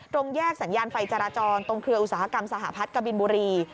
แยกสัญญาณไฟจราจรตรงเครืออุตสาหกรรมสหพัฒน์กบินบุรี